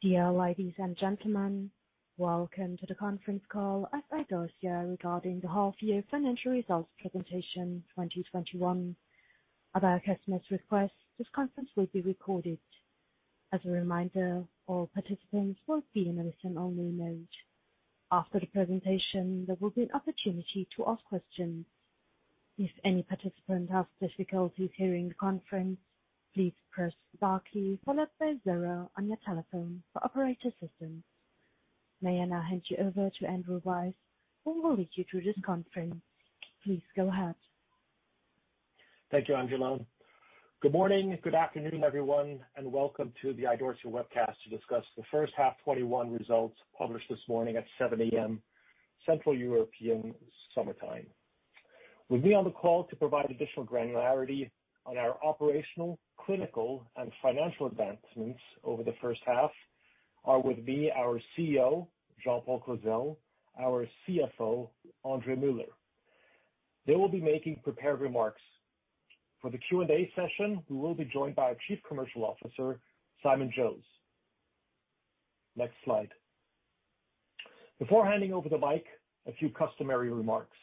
Dear ladies and gentlemen, welcome to the conference call of Idorsia regarding the half-year financial results presentation 2021. At our customers' request, this conference will be recorded. As a reminder, all participants will be in a listen-only mode. After the presentation, there will be an opportunity to ask questions. If any participant has difficulties hearing the conference, please press star key followed by zero on your telephone for operator assistance. May I now hand you over to Andrew Weiss, who will lead you through this conference. Please go ahead. Thank you, Angela. Good morning, good afternoon, everyone, welcome to the Idorsia webcast to discuss the first half 2021 results published this morning at 7:00 A.M. Central European summer time. With me on the call to provide additional granularity on our operational, clinical, and financial advancements over the first half are our CEO, Jean-Paul Clozel, our CFO, André Muller. They will be making prepared remarks. For the Q&A session, we will be joined by our Chief Commercial Officer, Simon Jose. Next slide. Before handing over the mic, a few customary remarks,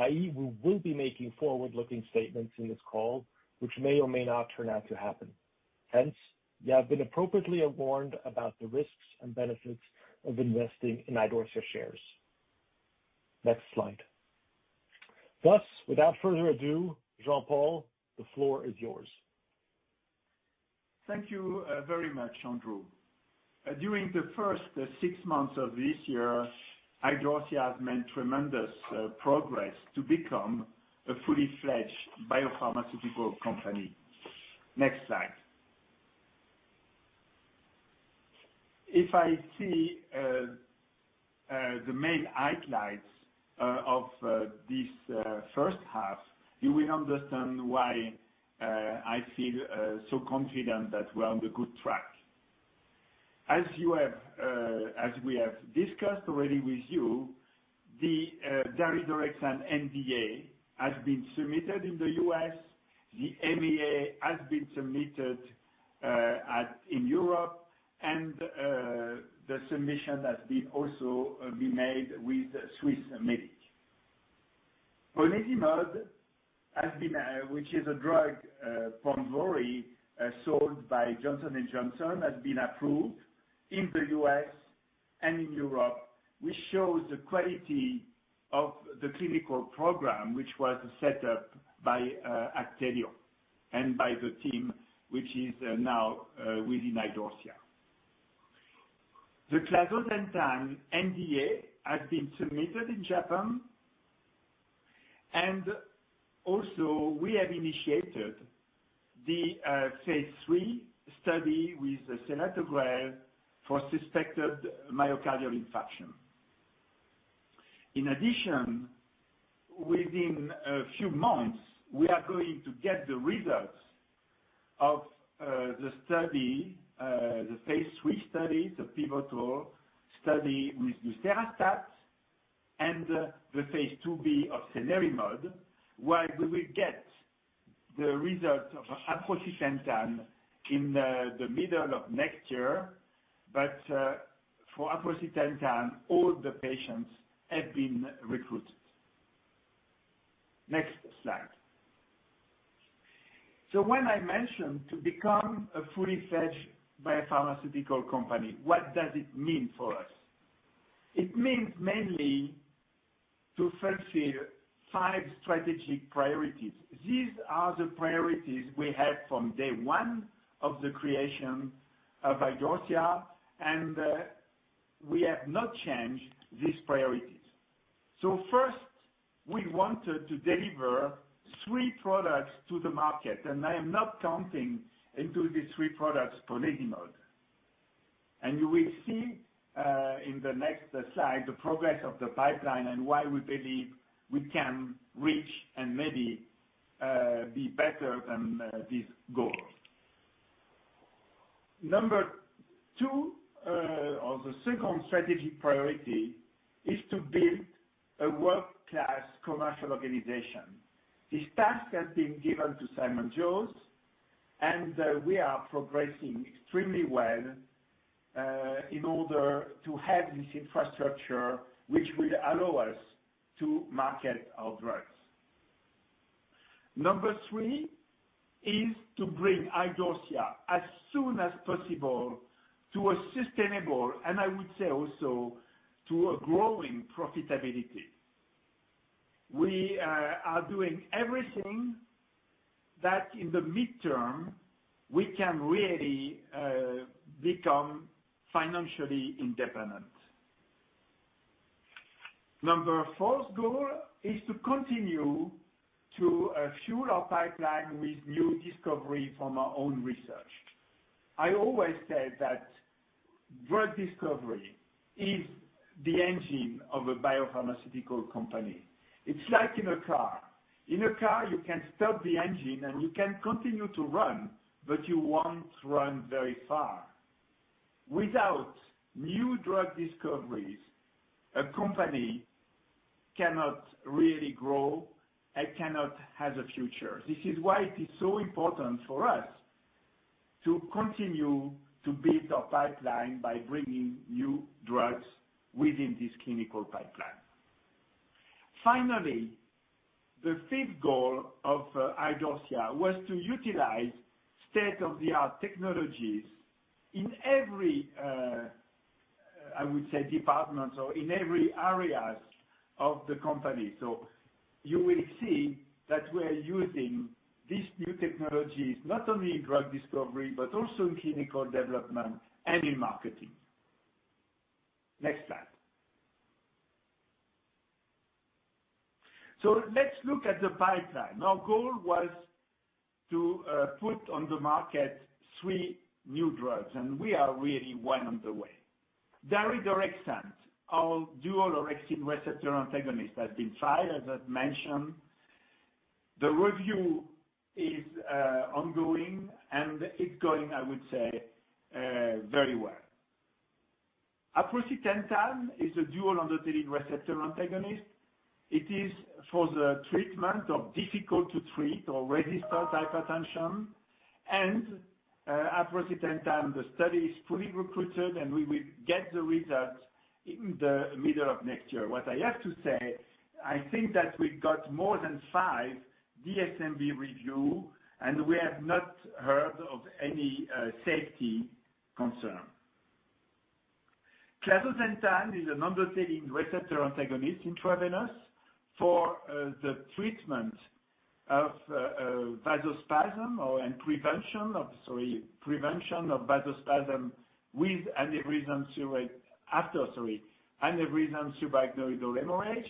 i.e., we will be making forward-looking statements in this call, which may or may not turn out to happen. Hence, you have been appropriately warned about the risks and benefits of investing in Idorsia shares. Next slide. Without further ado, Jean-Paul, the floor is yours. Thank you very much, Andrew. During the first six months of this year, Idorsia has made tremendous progress to become a fully fledged biopharmaceutical company. Next slide. If I see the main highlights of this first half, you will understand why I feel so confident that we're on the good track. As we have discussed already with you, the daridorexant NDA has been submitted in the U.S., the EMA has been submitted in Europe, the submission has also been made with Swissmedic. Ponesimod, which is a drug Ponvory, sold by Johnson & Johnson, has been approved in the U.S. and in Europe, which shows the quality of the clinical program, which was set up by Actelion and by the team, which is now within Idorsia. The clazosentan NDA has been submitted in Japan. Also, we have initiated the phase III study with the selatogrel for suspected myocardial infarction. In addition, within a few months, we are going to get the results of the phase III study, the pivotal study with the lucerastat and the phase II-B of cenerimod, while we will get the results of aprocitentan in the middle of next year. For aprocitentan, all the patients have been recruited. Next slide. When I mentioned to become a fully fledged biopharmaceutical company, what does it mean for us? It means mainly to fulfill five strategic priorities. These are the priorities we had from day one of the creation of Idorsia, and we have not changed these priorities. First, we wanted to deliver three products to the market, and I am not counting into these three products ponesimod. You will see in the next slide the progress of the pipeline and why we believe we can reach and maybe be better than these goals. Number two, or the second strategic priority, is to build a world-class commercial organization. This task has been given to Simon Jose, and we are progressing extremely well in order to have this infrastructure which will allow us to market our drugs. Number three is to bring Idorsia as soon as possible to a sustainable, and I would say also to a growing profitability. We are doing everything that in the midterm we can really become financially independent. Number four goal is to continue to fuel our pipeline with new discovery from our own research. I always said that drug discovery is the engine of a biopharmaceutical company. It's like in a car. In a car, you can stop the engine and you can continue to run, but you won't run very far. Without new drug discoveries, a company cannot really grow and cannot have a future. This is why it is so important for us to continue to build our pipeline by bringing new drugs within this clinical pipeline. Finally, the fifth goal of Idorsia was to utilize state-of-the-art technologies in every, I would say, departments or in every area of the company. You will see that we're using these new technologies not only in drug discovery, but also in clinical development and in marketing. Next slide. Let's look at the pipeline. Our goal was to put on the market three new drugs, and we are really well on the way. Daridorexant, our dual orexin receptor antagonist, has been filed, as I've mentioned. The review is ongoing and it's going, I would say, very well. Aprocitentan is a dual endothelin receptor antagonist. It is for the treatment of difficult to treat or resistant hypertension. Aprocitentan, the study is fully recruited, and we will get the results in the middle of next year. What I have to say, I think that we've got more than five DSMB review, and we have not heard of any safety concern. Clazosentan is an endothelin receptor antagonist intravenous for the treatment of vasospasm or/and prevention of, sorry, prevention of vasospasm with aneurysmal subarachnoid hemorrhage.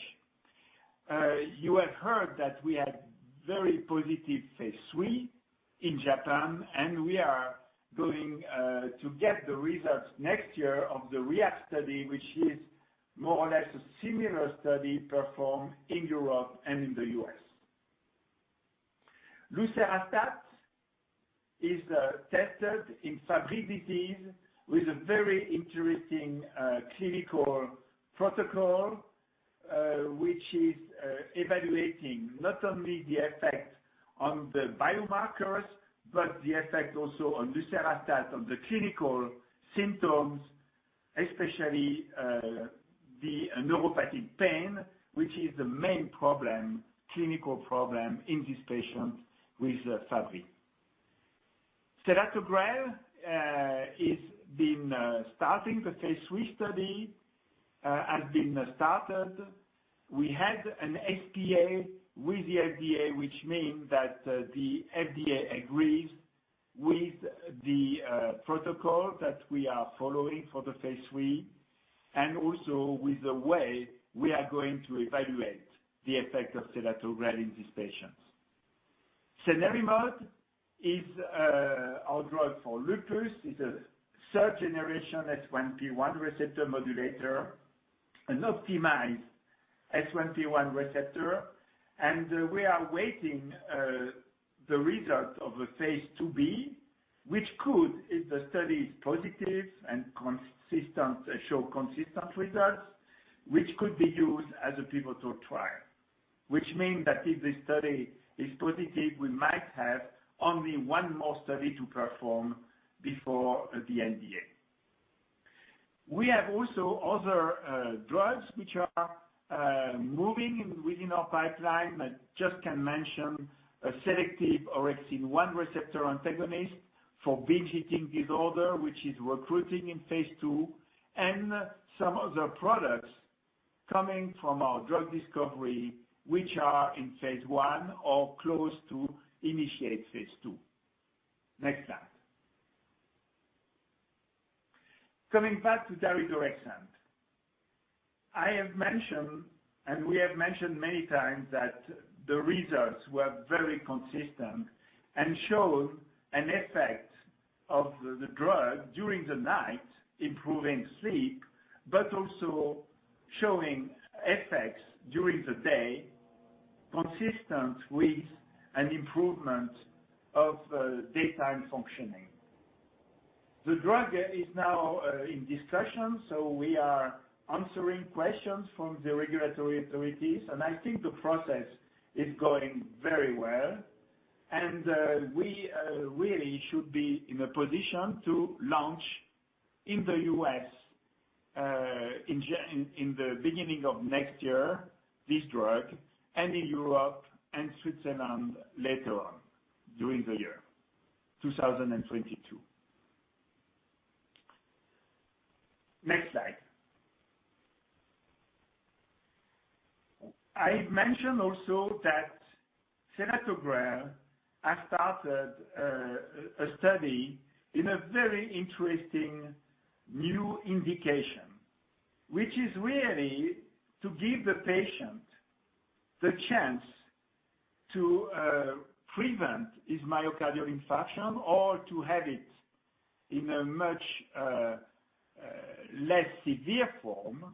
You have heard that we had very positive phase III in Japan, and we are going to get the results next year of the REACT study, which is more or less a similar study performed in Europe and in the U.S. Lucerastat is tested in Fabry disease with a very interesting clinical protocol, which is evaluating not only the effect on the biomarkers, but the effect also on lucerastat of the clinical symptoms, especially the neuropathic pain, which is the main problem, clinical problem in this patient with Fabry. Selatogrel has been started the phase III study. We had an SPA with the FDA, which mean that the FDA agrees with the protocol that we are following for the phase III, and also with the way we are going to evaluate the effect of selatogrel in these patients. Cenerimod is our drug for lupus. It's a third generation S1P1 receptor modulator, an optimized S1P1 receptor. We are waiting the result of a phase II-B, which could, if the study is positive and show consistent results, be used as a pivotal trial. Which mean that if the study is positive, we might have only one more study to perform before the NDA. We have also other drugs which are moving within our pipeline. I just can mention a selective orexin 1 receptor antagonist for binge eating disorder, which is recruiting in phase II, and some other products coming from our drug discovery, which are in phase I or close to initiate phase II. Next slide. Coming back to daridorexant. I have mentioned, and we have mentioned many times, that the results were very consistent and show an effect of the drug during the night, improving sleep, but also showing effects during the day, consistent with an improvement of daytime functioning. The drug is now in discussion, so we are answering questions from the regulatory authorities, and I think the process is going very well. We really should be in a position to launch in the U.S. in the beginning of next year, this drug, and in Europe and Switzerland later on during the year 2022. Next slide. I've mentioned also that selatogrel has started a study in a very interesting new indication, which is really to give the patient the chance to prevent his myocardial infarction or to have it in a much less severe form.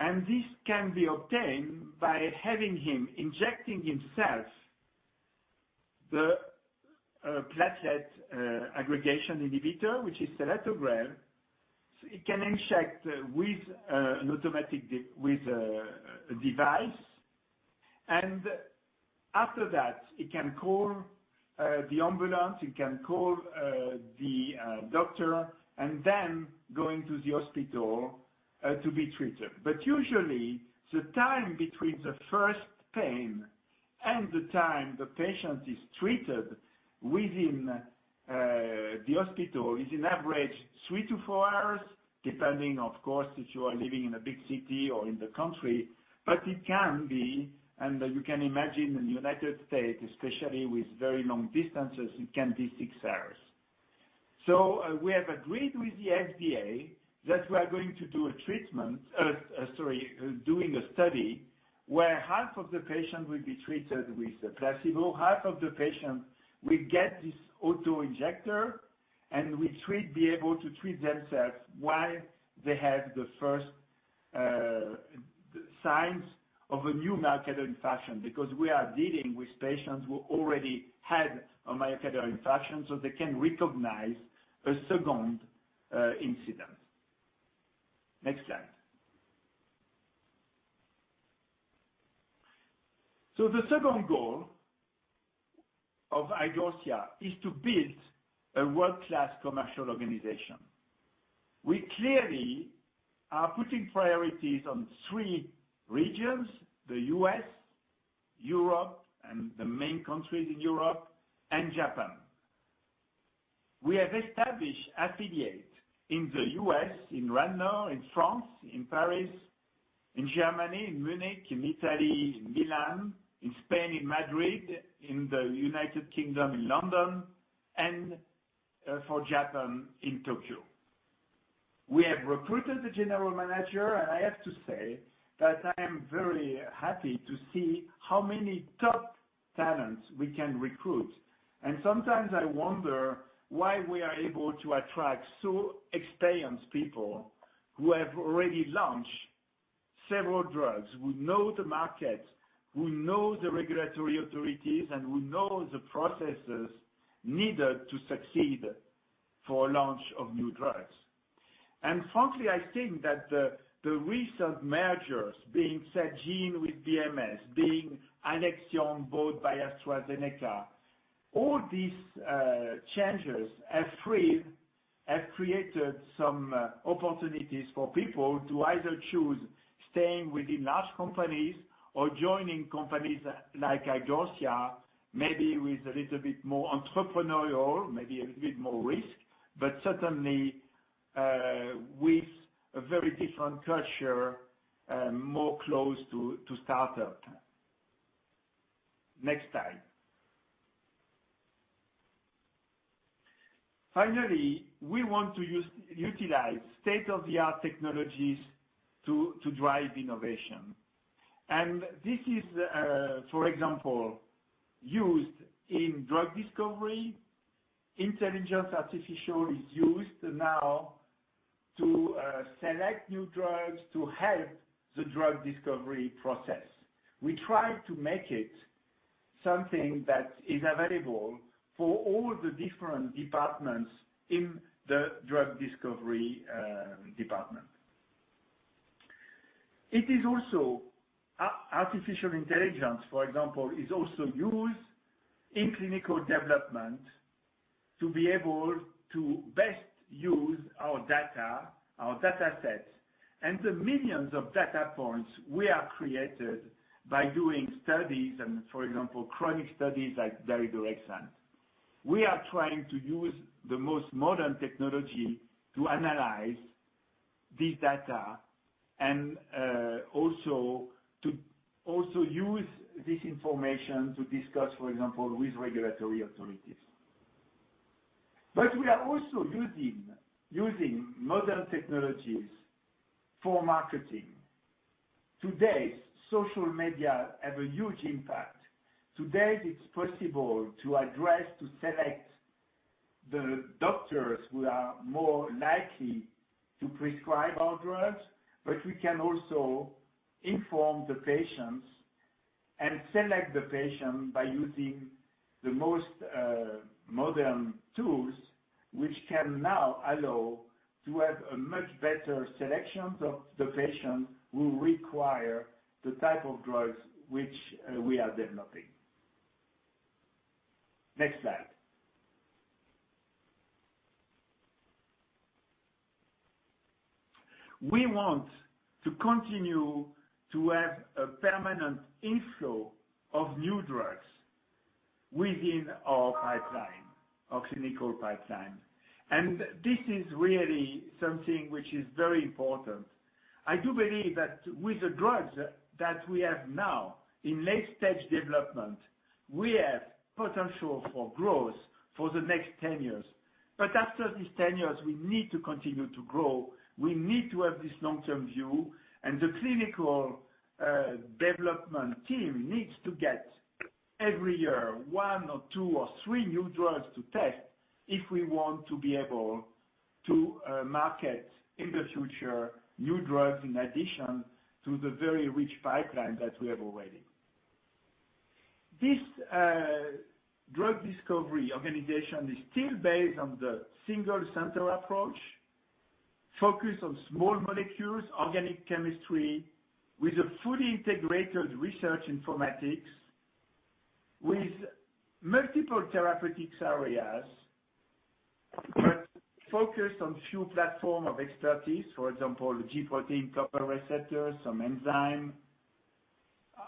This can be obtained by having him injecting himself. The platelet aggregation inhibitor, which is selatogrel. It can inject with an automatic device. After that, he can call the ambulance, he can call the doctor, and then go into the hospital to be treated. Usually, the time between the first pain and the time the patient is treated within the hospital is an average of three to four hours, depending, of course, if you are living in a big city or in the country. It can be, and you can imagine in the U.S., especially with very long distances, it can be six hours. We have agreed with the FDA that we are going to do a study where half of the patients will be treated with a placebo, half of the patients will get this auto-injector, and will be able to treat themselves while they have the first signs of a new myocardial infarction, because we are dealing with patients who already had a myocardial infarction, so they can recognize a second incident. Next slide. The second goal of Idorsia is to build a world-class commercial organization. We clearly are putting priorities on three regions, the U.S., Europe, and the main countries in Europe, and Japan. We have established affiliates in the U.S. in Radnor, in France in Paris, in Germany in Munich, in Italy in Milan, in Spain in Madrid, in the U.K. in London, and for Japan in Tokyo. We have recruited the general manager, I have to say that I am very happy to see how many top talents we can recruit. Sometimes I wonder why we are able to attract so experienced people who have already launched several drugs, who know the market, who know the regulatory authorities, and who know the processes needed to succeed for a launch of new drugs. Frankly, I think that the recent mergers, being Celgene with BMS, being Alexion bought by AstraZeneca, all these changes have created some opportunities for people to either choose staying within large companies or joining companies like Idorsia, maybe with a little bit more entrepreneurial, maybe a little bit more risk, but certainly, with a very different culture, more close to startup. Next slide. We want to utilize state-of-the-art technologies to drive innovation. This is, for example, used in drug discovery. Intelligence Artificial is used now to select new drugs to help the drug discovery process. We try to make it something that is available for all the different departments in the drug discovery department. Artificial intelligence, for example, is also used in clinical development to be able to best use our data sets and the millions of data points we have created by doing studies and, for example, chronic studies like daridorexant. We are trying to use the most modern technology to analyze this data and to also use this information to discuss, for example, with regulatory authorities. We are also using modern technologies for marketing. Today, social media has a huge impact. Today, it's possible to address, to select the doctors who are more likely to prescribe our drugs, but we can also inform the patients and select the patient by using the most modern tools, which can now allow to have a much better selection of the patient who require the type of drugs which we are developing. Next slide. We want to continue to have a permanent inflow of new drugs within our clinical pipeline. This is really something which is very important. I do believe that with the drugs that we have now in late-stage development, we have potential for growth for the next 10 years. After these 10 years, we need to continue to grow. We need to have this long-term view, and the clinical development team needs to get every year one or two or three new drugs to test if we want to be able to market in the future, new drugs in addition to the very rich pipeline that we have already. This drug discovery organization is still based on the single center approach, focused on small molecules, organic chemistry, with a fully integrated research informatics, with multiple therapeutics areas, but focused on few platform of expertise. For example, the G protein-coupled receptor, some enzyme,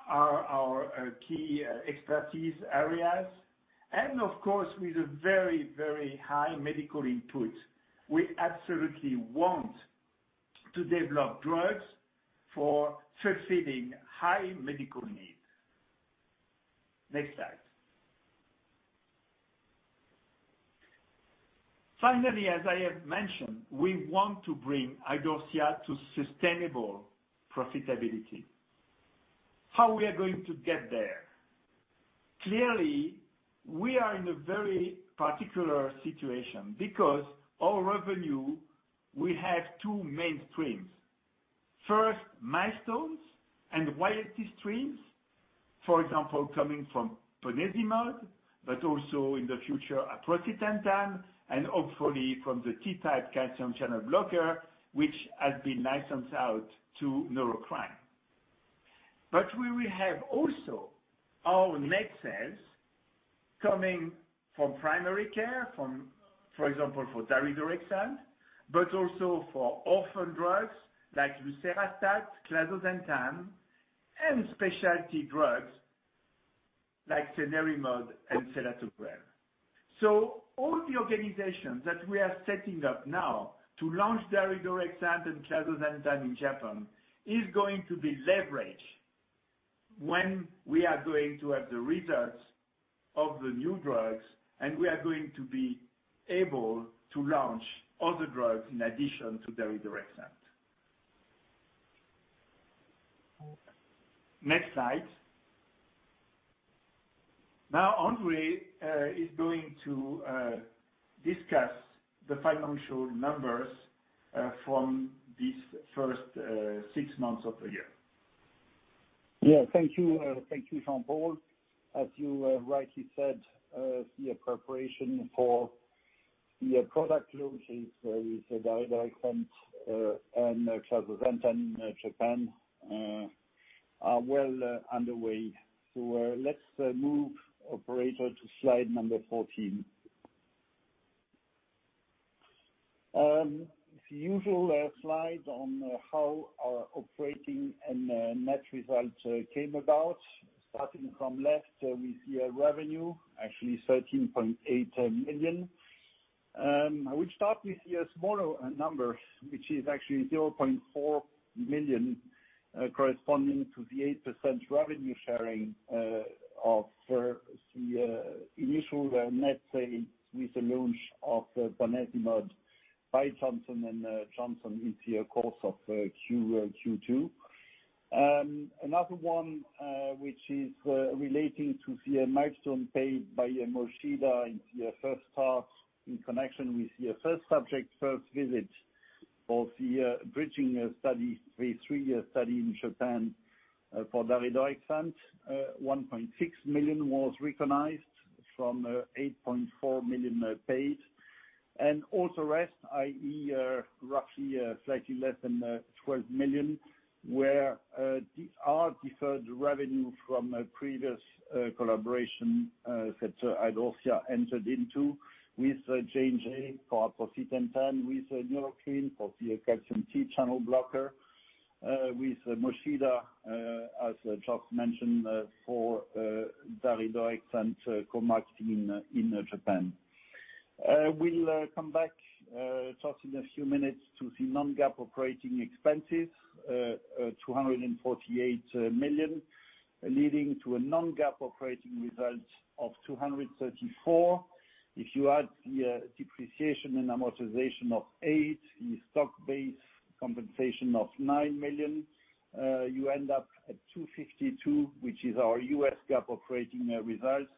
are our key expertise areas. Of course, with a very high medical input, we absolutely want to develop drugs for succeeding high medical needs. Next slide. Finally, as I have mentioned, we want to bring Idorsia to sustainable profitability. How we are going to get there? Clearly, we are in a very particular situation because our revenue, we have two main streams. First, milestones and royalty streams, for example, coming from ponesimod, but also in the future, aprocitentan, and hopefully from the T-type calcium channel blocker, which has been licensed out to Neurocrine. We will have also our net sales coming from primary care, for example, for daridorexant, but also for orphan drugs like lucerastat, clazosentan, and specialty drugs like cenerimod and selatogrel. All the organizations that we are setting up now to launch daridorexant and clazosentan in Japan is going to be leverage when we are going to have the results of the new drugs, and we are going to be able to launch other drugs in addition to daridorexant. Next slide. André is going to discuss the financial numbers from these first six months of the year. Yeah. Thank you, Jean-Paul. As you rightly said, the preparation for the product launch with the daridorexant and clazosentan in Japan are well underway. Let's move, operator, to slide number 14. The usual slide on how our operating and net results came about. Starting from left, we see a revenue, actually 13.8 million. I will start with the smaller numbers, which is actually 0.4 million, corresponding to the 8% revenue sharing of the initial net sales with the launch of ponesimod by Johnson & Johnson into course of Q2. Another one, which is relating to the milestone paid by Mochida into first half in connection with the first subject first visit of the bridging study, phase III study in Japan for daridorexant. 1.6 million was recognized from 8.4 million paid. All the rest, i.e., roughly slightly less than 12 million, are deferred revenue from a previous collaboration that Idorsia entered into with J&J for aprocitentan, with Neurocrine for the calcium T-channel blocker, with Mochida, as just mentioned, for daridorexant co-marketing in Japan. We will come back to talk in a few minutes to the non-GAAP operating expenses, 248 million, leading to a non-GAAP operating result of 234. If you add the depreciation and amortization of 8 million, the stock-based compensation of 9 million, you end up at 252, which is our U.S. GAAP operating results.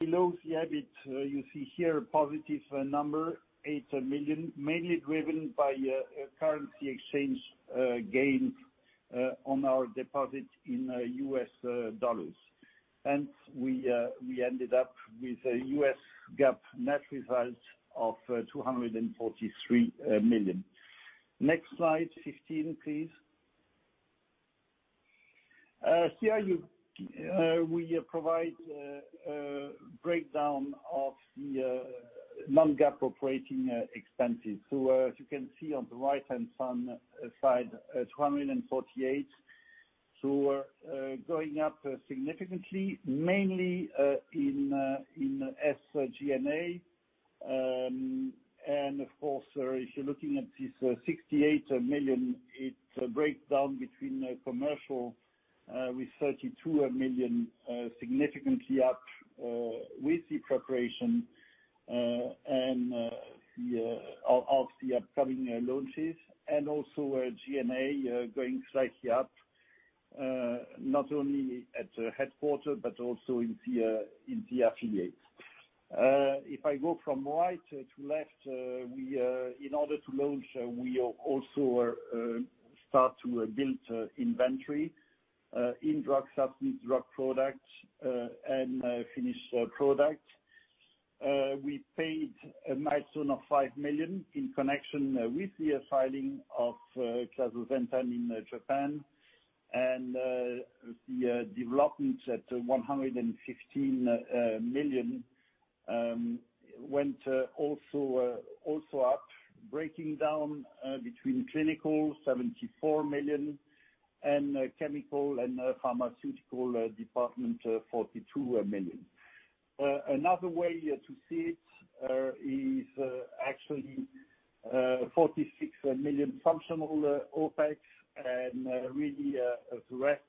Below the EBIT, you see here a positive number, 8 million, mainly driven by a currency exchange gain on our deposit in U.S. dollars. Hence, we ended up with a U.S. GAAP net result of 243 million. Next slide, 15, please. Here we provide a breakdown of the non-GAAP operating expenses. As you can see on the right-hand side, 248 million. Going up significantly, mainly in SG&A. Of course, if you're looking at this 68 million, it breaks down between commercial with 32 million, significantly up with the preparation of the upcoming launches. Also G&A going slightly up. Not only at the headquarters, but also in the affiliates. If I go from right to left, in order to launch, we also start to build inventory in drug substance, drug product, and finished product. We paid a milestone of 5 million in connection with the filing of clazosentan in Japan. The development at 115 million went also up, breaking down between clinical, 74 million, and chemical and pharmaceutical department, 42 million. Another way to see it is actually 46 million functional OpEx. The rest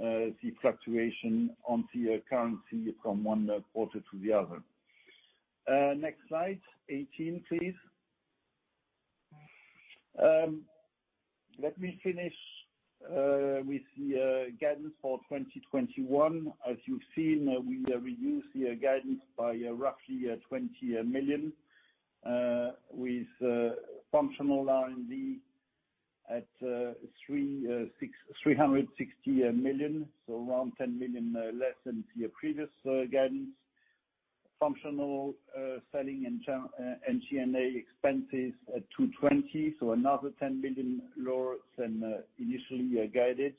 the fluctuation on the currency from one quarter to the other. Next slide, 18, please. Let me finish with the guidance for 2021. As you've seen, we reduced the guidance by roughly 20 million, with functional R&D at 360 million, around 10 million less than the previous guidance. Functional selling and G&A expenses at 220 million, another 10 million lower than initially guided.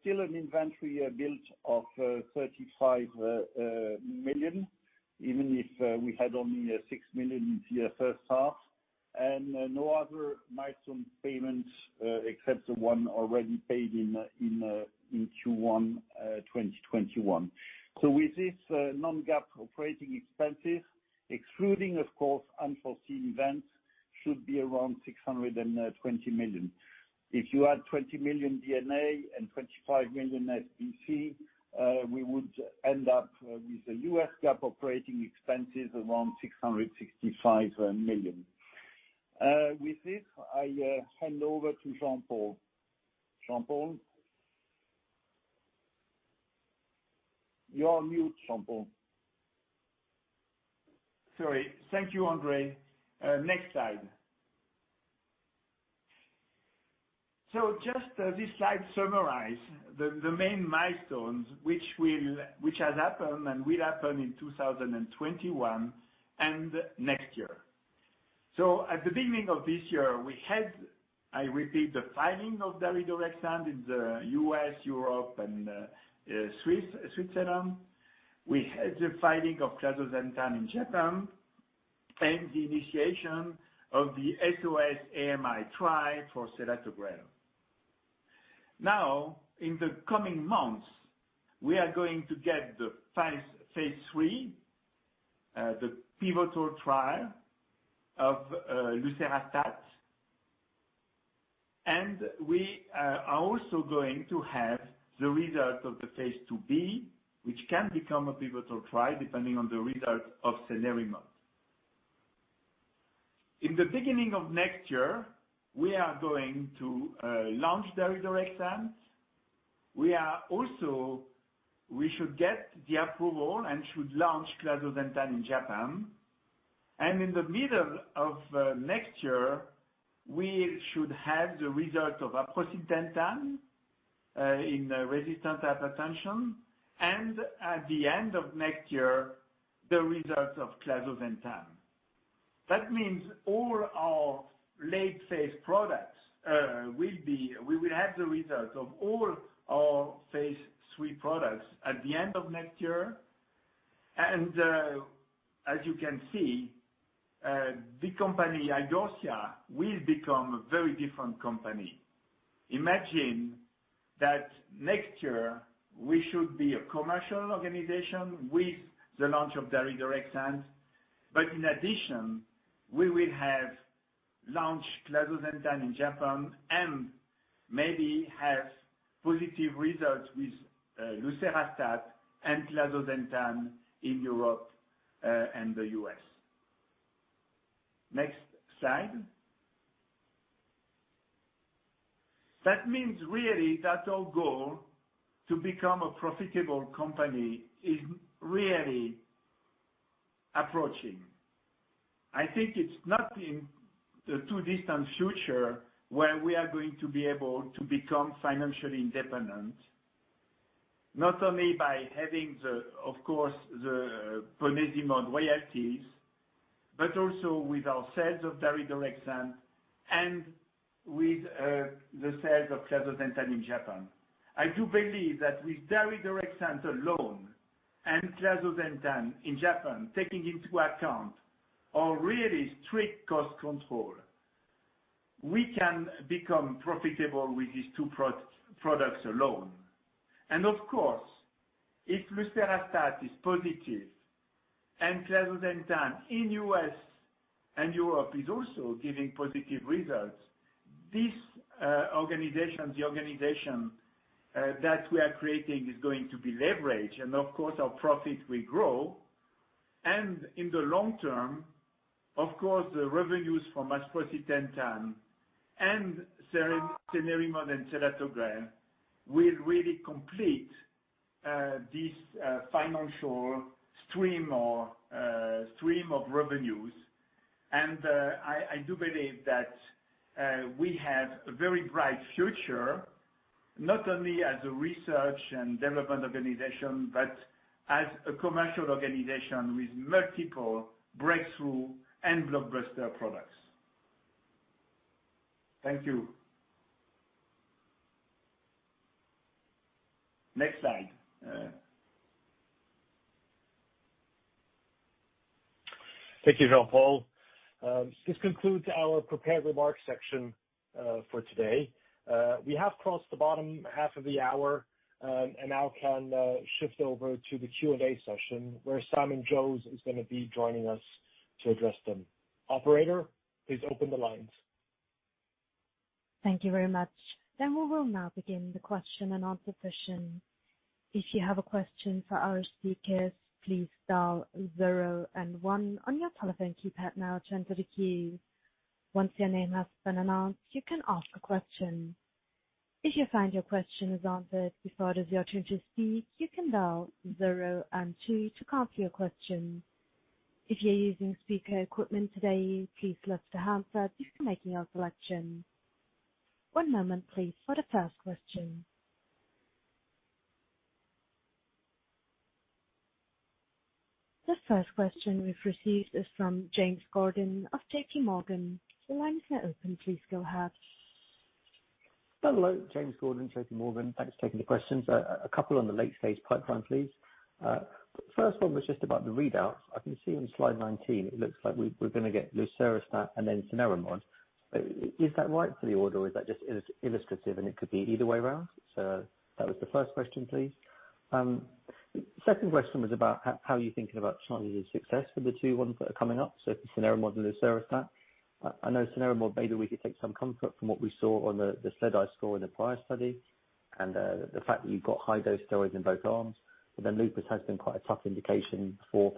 Still an inventory build of 35 million, even if we had only 6 million in the first half. No other milestone payments except the one already paid in Q1 2021. With this non-GAAP operating expenses, excluding, of course, unforeseen events, should be around 620 million. If you add 20 million D&A and 25 million SBC, we would end up with the US GAAP operating expenses around 665 million. With this, I hand over to Jean-Paul. Jean-Paul? You're on mute, Jean-Paul. Sorry. Thank you, André. Next slide. Just this slide summarize the main milestones, which has happened and will happen in 2021 and next year. At the beginning of this year, we had, I repeat, the filing of daridorexant in the U.S., Europe, and Switzerland. We had the filing of clazosentan in Japan and the initiation of the SOS-AMI trial for selatogrel. In the coming months, we are going to get the phase III, the pivotal trial of lucerastat. And we are also going to have the result of the phase II-B, which can become a pivotal trial depending on the result of cenerimod. In the beginning of next year, we are going to launch daridorexant. We should get the approval and should launch clazosentan in Japan. In the middle of next year, we should have the result of aprocitentan in resistant hypertension. At the end of next year, the results of clazosentan. That means we will have the results of all our phase III products at the end of next year. As you can see, the company, Idorsia, will become a very different company. Imagine that next year we should be a commercial organization with the launch of daridorexant. In addition, we will have launched clazosentan in Japan and maybe have positive results with lucerastat and clazosentan in Europe and the U.S. Next slide. That means really that our goal to become a profitable company is really approaching. I think it's not in the too distant future where we are going to be able to become financially independent, not only by having, of course, the ponesimod royalties, but also with our sales of daridorexant and with the sales of clazosentan in Japan. I do believe that with daridorexant alone and clazosentan in Japan, taking into account our really strict cost control, we can become profitable with these two products alone. Of course, if lucerastat is positive and clazosentan in U.S. and Europe is also giving positive results, the organization that we are creating is going to be leveraged and of course our profit will grow. In the long term, of course, the revenues from aprocitentan and cenerimod and selatogrel will really complete this financial stream of revenues. I do believe that we have a very bright future, not only as a research and develepment organization, but as a commercial organization with multiple breakthrough and blockbuster products. Thank you. Next slide. Thank you, Jean-Paul. This concludes our prepared remarks section for today. We have crossed the bottom half of the hour and now can shift over to the Q&A session where Simon Jose is going to be joining us to address them. Operator, please open the lines. Thank you very much. We will now begin the question and answer session. If you have a question for our speakers, please dial zero and one on your telephone keypad now to enter the queue. Once your name has been announced, you can ask a question. If you find your question is answered before it is your turn to speak, you can dial zero and two to cancel your question. If you're using speaker equipment today, please lift a handset before making your selection. One moment please for the first question. The first question we've received is from James Gordon of JPMorgan. The line is now open, please go ahead. Hello, James Gordon, JPMorgan. Thanks for taking the questions. A couple on the late-stage pipeline, please. First one was just about the readouts. I can see on slide 19 it looks like we're going to get lucerastat and then cenerimod. Is that right for the order or is that just illustrative and it could be either way around? That was the first question, please. Second question was about how you're thinking about chances of success for the two ones that are coming up. For cenerimod and lucerastat. I know cenerimod, maybe we could take some comfort from what we saw on the SLEDAI score in the prior study and the fact that you've got high dose steroids in both arms. Lupus has been quite a tough indication for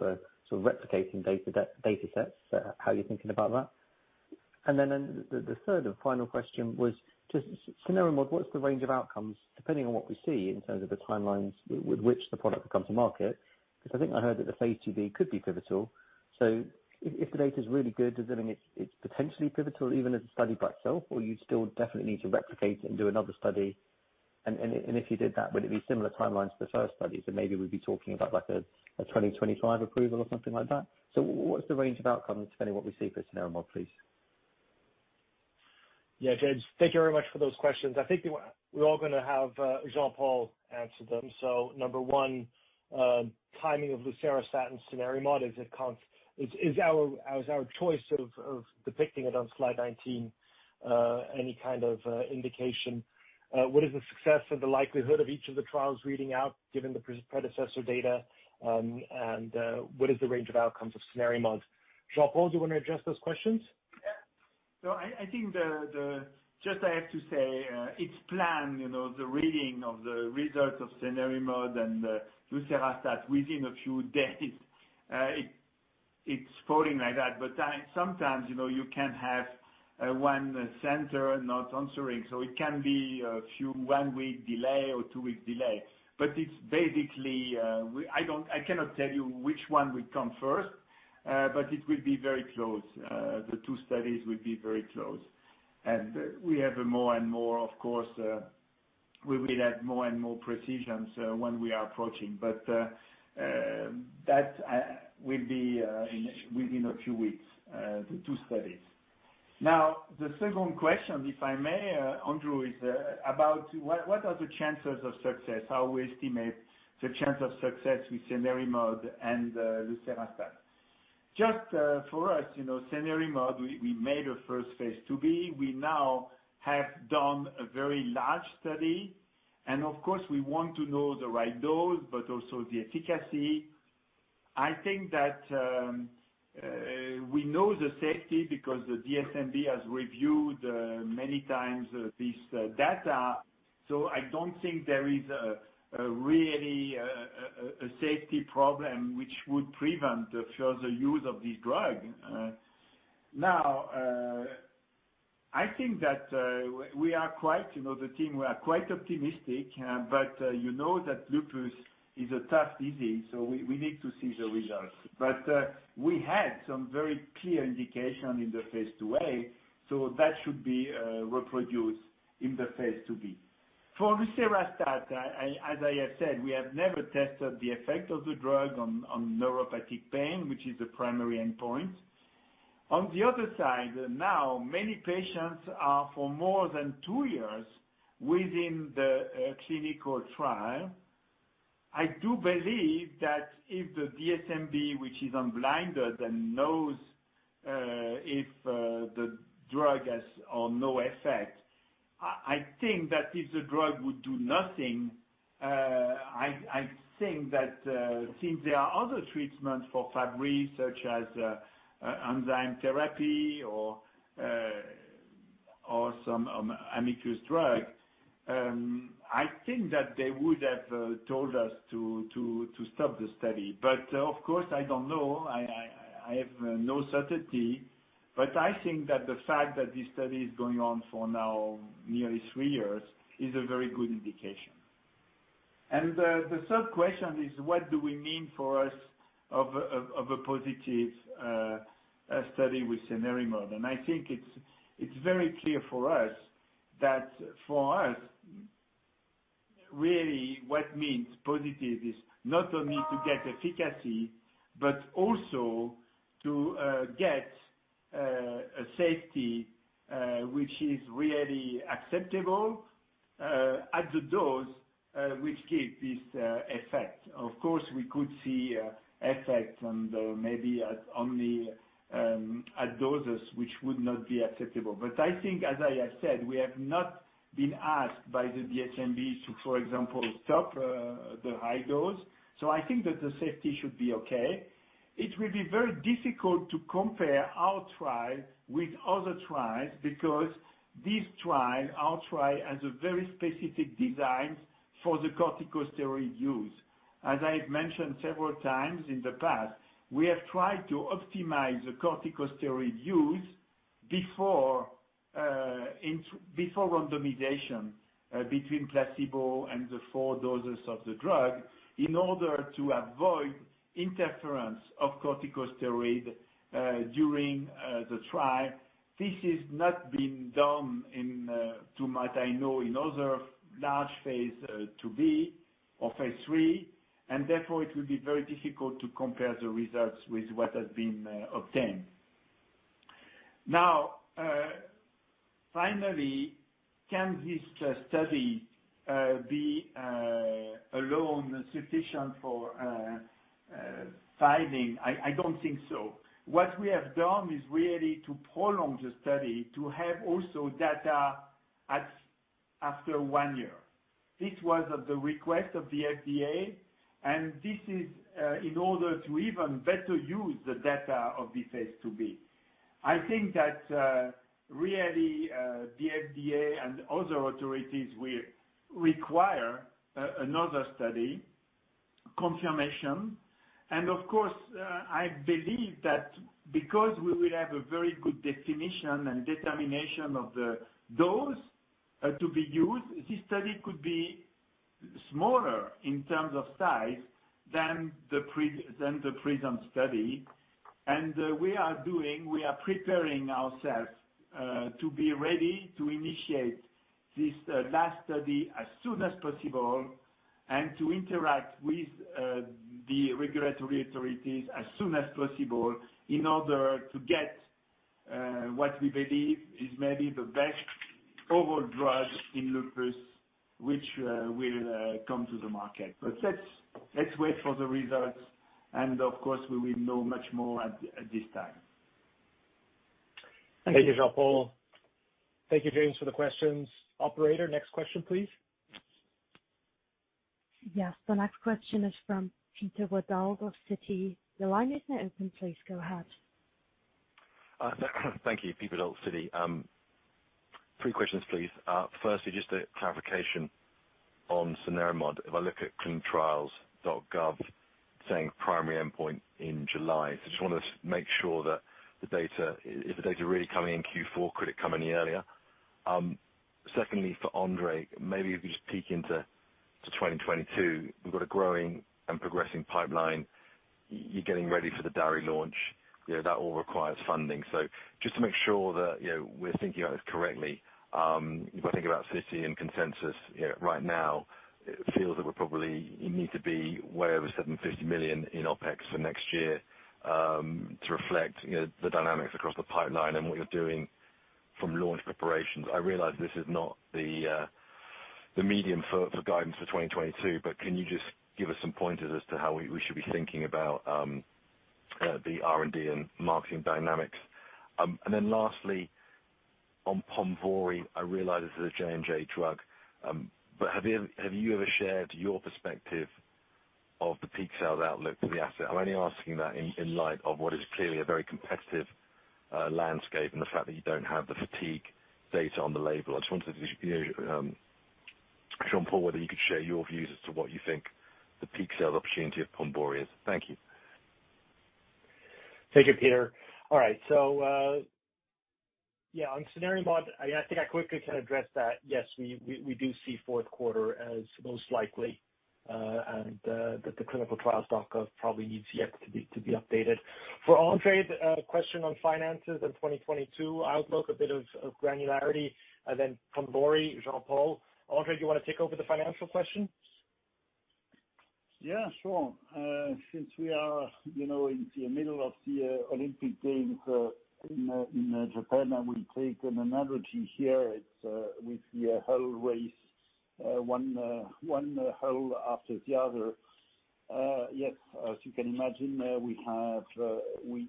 sort of replicating datasets. How are you thinking about that? The third and final question was just cenerimod, what's the range of outcomes, depending on what we see in terms of the timelines with which the product will come to market? I think I heard that the phase II-B could be pivotal. If the data's really good, does that mean it's potentially pivotal even as a study by itself? Or you'd still definitely need to replicate it and do another study. If you did that, would it be similar timelines to the first study? Maybe we'd be talking about like a 2025 approval or something like that. What is the range of outcomes depending what we see for cenerimod, please? Yeah, James, thank you very much for those questions. I think we're all going to have Jean-Paul answer them. Number one, timing of lucerastat and cenerimod. Is our choice of depicting it on slide 19 any kind of indication? What is the success or the likelihood of each of the trials reading out, given the predecessor data? What is the range of outcomes of cenerimod? Jean-Paul, do you want to address those questions? I think, just I have to say, it's planned, the reading of the results of cenerimod and lucerastat within a few days. It's falling like that. Sometimes, you can have one center not answering, so it can be a few one-week delay or two-week delay. It's basically, I cannot tell you which one will come first, but it will be very close. The two studies will be very close. We have more and more, of course, we will have more and more precisions when we are approaching. That will be within a few weeks, the two studies. The second question, if I may, Andrew, is about what are the chances of success? How we estimate the chance of success with cenerimod and lucerastat. Just for us, cenerimod, we made a first phase II-B. We now have done a very large study. Of course, we want to know the right dose, but also the efficacy. I think that we know the safety because the DSMB has reviewed many times this data. I don't think there is really a safety problem which would prevent further use of this drug. I think that we are quite, the team, we are quite optimistic. You know that lupus is a tough disease, so we need to see the results. We had some very clear indication in the phase II-A, so that should be reproduced in the phase II-B. For lucerastat, as I have said, we have never tested the effect of the drug on neuropathic pain, which is the primary endpoint. On the other side, many patients are for more than two years within the clinical trial. I do believe that if the DSMB, which is unblinded and knows if the drug has or no effect, I think that if the drug would do nothing, I think that since there are other treatments for Fabry, such as enzyme therapy or some Amicus drug, I think that they would have told us to stop the study. Of course, I don't know. I have no certainty. I think that the fact that this study is going on for now nearly three years is a very good indication. The third question is what do we mean for us of a positive study with cenerimod? I think it's very clear for us that for us, really what means positive is not only to get efficacy, but also to get a safety which is really acceptable at the dose which gives this effect. We could see effects on maybe at only at doses which would not be acceptable. I think, as I have said, we have not been asked by the DSMB to, for example, stop the high dose. I think that the safety should be okay. It will be very difficult to compare our trial with other trials because this trial, our trial, has a very specific design for the corticosteroid use. As I've mentioned several times in the past, we have tried to optimize the corticosteroid use before randomization between placebo and the four doses of the drug in order to avoid interference of corticosteroid during the trial. This has not been done in, to my knowledge, in other large phase II-B or phase III, therefore, it will be very difficult to compare the results with what has been obtained. Finally, can this study be alone sufficient for filing? I don't think so. What we have done is really to prolong the study to have also data after one year. This was at the request of the FDA, and this is in order to even better use the data of the phase II-B. I think that really, the FDA and other authorities will require another study confirmation. Of course, I believe that because we will have a very good definition and determination of the dose to be used, this study could be smaller in terms of size than the PRISM study. We are preparing ourselves to be ready to initiate this last study as soon as possible and to interact with the regulatory authorities as soon as possible in order to get what we believe is maybe the best overall drug in lupus, which will come to the market. Let's wait for the results, and of course, we will know much more at this time. Thank you, Jean-Paul. Thank you, James, for the questions. Operator, next question, please. Yes, the next question is from Peter Verdult of Citi. Your line is now open. Please go ahead. Thank you. Peter of Citi. Three questions, please. Firstly, just a clarification on cenerimod. If I look at clinicaltrials.gov saying primary endpoint in July. Just want to make sure that if the data are really coming in Q4, could it come any earlier? Secondly, for André, maybe if you just peek into 2022. We've got a growing and progressing pipeline. You're getting ready for the dari launch. That all requires funding. Just to make sure that we're thinking about this correctly, if I think about Citi and consensus right now, it feels that we probably need to be way over 750 million in OpEx for next year, to reflect the dynamics across the pipeline and what you're doing from launch preparations. I realize this is not the medium for guidance for 2022, can you just give us some pointers as to how we should be thinking about the R&D and marketing dynamics? Lastly, on Ponvory, I realize this is a J&J drug, but have you ever shared your perspective of the peak sales outlook for the asset? I'm only asking that in light of what is clearly a very competitive landscape and the fact that you don't have the fatigue data on the label. I just wondered, Jean-Paul, whether you could share your views as to what you think the peak sales opportunity of Ponvory is. Thank you. Thank you, Peter. All right. On cenerimod, I think I quickly can address that. Yes, we do see Q4 as most likely, and that the clinicaltrials.gov probably needs yet to be updated. For André, the question on finances and 2022 outlook, a bit of granularity. Then Ponvory, Jean-Paul. André, do you want to take over the financial question? Yeah, sure. Since we are in the middle of the Olympic Games in Japan, I will take an analogy here. It's with the hull race, one hull after the other. Yes, as you can imagine, we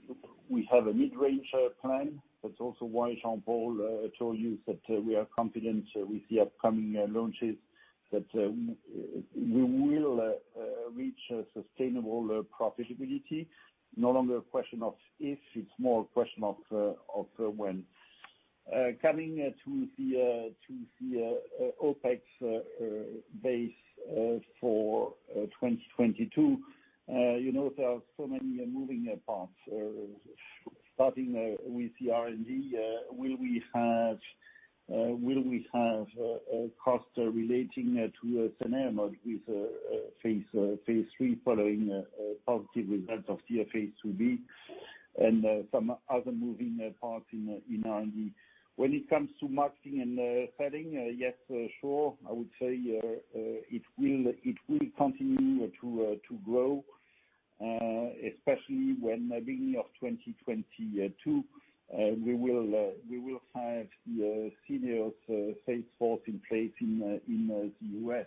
have a mid-range plan. That's also why Jean-Paul told you that we are confident with the upcoming launches, that we will reach sustainable profitability. No longer a question of if, it's more a question of when. Coming to the OpEx base for 2022, there are so many moving parts. Starting with the R&D, will we have costs relating to solanezumab with phase III following positive results of the phase II-B and some other moving parts in R&D. When it comes to marketing and selling, yes, sure. I would say it will continue to grow, especially when beginning of 2022, we will have the Syneos sales force in place in the U.S.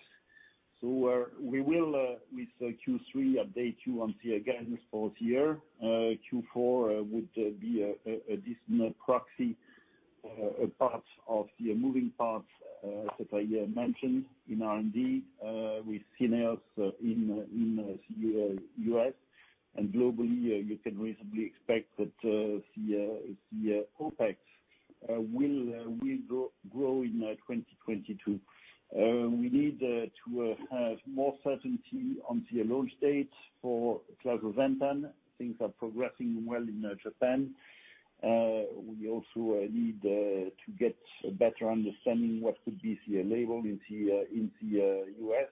We will, with Q3, update you on the guidance for the year. Q4 would be a decent proxy, a part of the moving parts that I mentioned in R&D, with Syneos in the U.S. Globally, you can reasonably expect that the OpEx will grow in 2022. We need to have more certainty on the launch date for clazosentan. Things are progressing well in Japan. We also need to get a better understanding what could be the label in the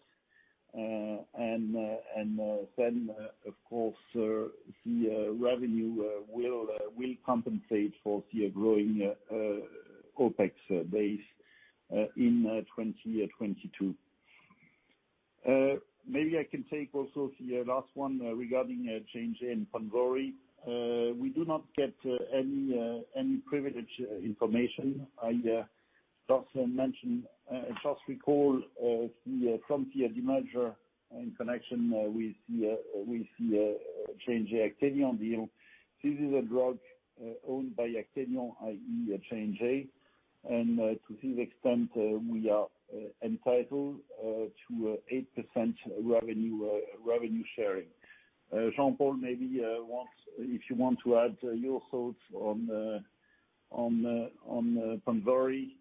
U.S. Of course, the revenue will compensate for the growing OpEx base in 2022. Maybe I can take also the last one regarding J&J and Ponvory. We do not get any privileged information. I just recall from the demerger in connection with the J&J Actelion deal. This is a drug owned by Actelion, i.e., J&J, and to this extent, we are entitled to 8% revenue sharing. Jean-Paul, maybe if you want to add your thoughts on Ponvory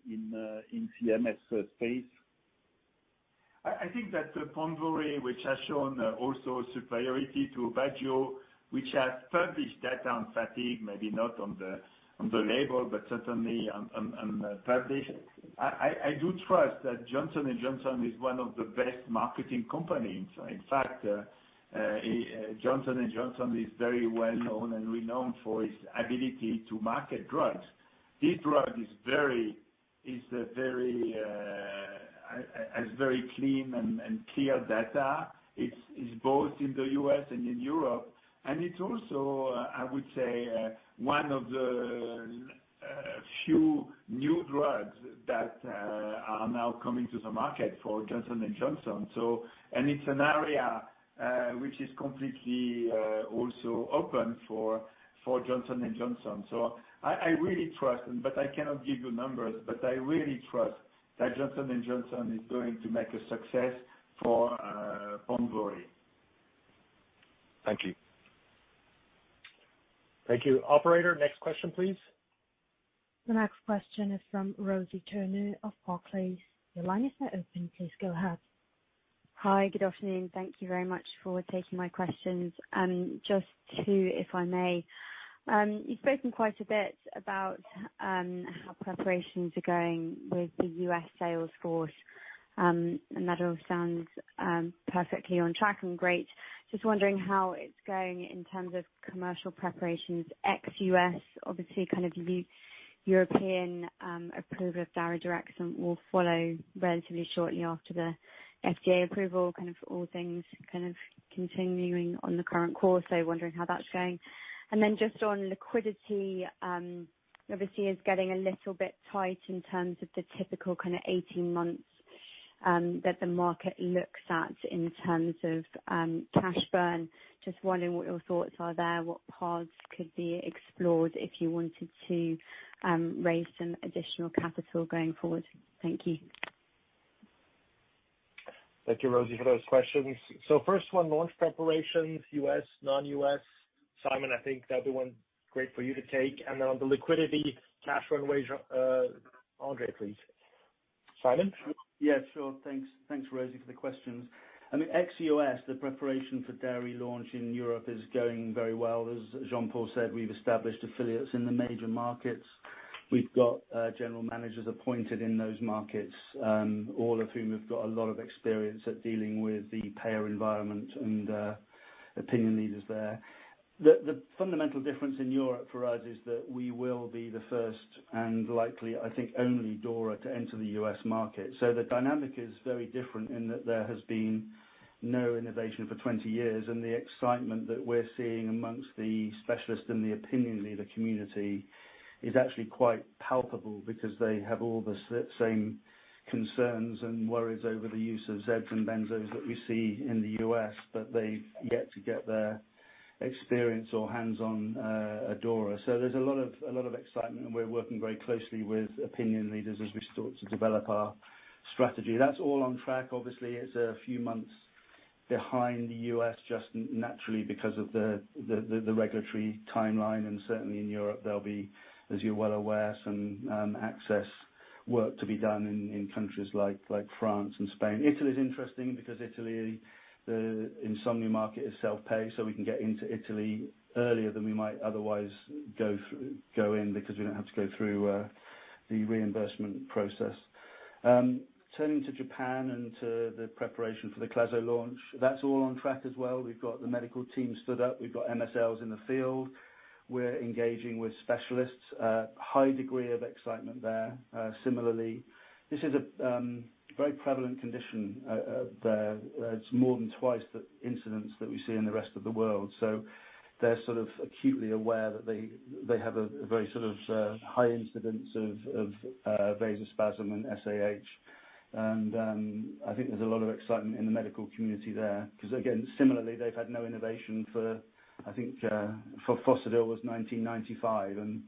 in CMS space. I think that Ponvory, which has shown also superiority to Aubagio, which has published data on fatigue, maybe not on the label, but certainly on publication. I do trust that Johnson & Johnson is one of the best marketing companies. In fact, Johnson & Johnson is very well-known and renowned for its ability to market drugs. This drug has very clean and clear data. It's both in the U.S. and in Europe. It's also, I would say, one of the few new drugs that are now coming to the market for Johnson & Johnson. It's an area which is completely also open for Johnson & Johnson. I really trust, but I cannot give you numbers, but I really trust that Johnson & Johnson is going to make a success for Ponvory. Thank you. Thank you. Operator, next question, please. The next question is from Rosie Turner of Barclays. Your line is now open. Please go ahead. Hi. Good afternoon. Thank you very much for taking my questions. Just two, if I may. You've spoken quite a bit about how preparations are going with the U.S. sales force. That all sounds perfectly on track and great. Just wondering how it's going in terms of commercial preparations ex-U.S. Obviously, European approval of daridorexant will follow relatively shortly after the FDA approval, all things continuing on the current course. Wondering how that's going. Just on liquidity, obviously is getting a little bit tight in terms of the typical 18 months that the market looks at in terms of cash burn. Just wondering what your thoughts are there, what paths could be explored if you wanted to raise some additional capital going forward. Thank you. Thank you, Rosie, for those questions. First one, launch preparations, U.S., non-U.S. Simon, I think that'd be one great for you to take. And then on the liquidity cash burn wage, André, please. Simon? Yeah, sure. Thanks, Rosie, for the questions. I mean, ex-U.S., the preparation for daridorexant launch in Europe is going very well. As Jean-Paul said, we've established affiliates in the major markets. We've got general managers appointed in those markets, all of whom have got a lot of experience at dealing with the payer environment and opinion leaders there. The fundamental difference in Europe for us is that we will be the first and likely, I think, only DORA to enter the U.S. market. The dynamic is very different in that there has been no innovation for 20 years, and the excitement that we're seeing amongst the specialists and the opinion leader community is actually quite palpable because they have all the same concerns and worries over the use of Z-drugs and benzos that we see in the U.S., but they've yet to get their experience or hands on DORA. There's a lot of excitement and we're working very closely with opinion leaders as we start to develop our strategy. That's all on track. Obviously, it's a few months behind the U.S., just naturally because of the regulatory timeline, and certainly in Europe, there'll be, as you're well aware, some access work to be done in countries like France and Spain. Italy is interesting because Italy, the insomnia market is self-pay, so we can get into Italy earlier than we might otherwise go in because we don't have to go through the reimbursement process. Turning to Japan and to the preparation for the Clazo launch. That's all on track as well. We've got the medical team stood up. We've got MSLs in the field. We're engaging with specialists. A high degree of excitement there. Similarly, this is a very prevalent condition there. It's more than twice the incidence that we see in the rest of the world. They're acutely aware that they have a very high incidence of vasospasm and SAH. I think there's a lot of excitement in the medical community there because, again, similarly, they've had no innovation for, I think, for fasudil was 1995, and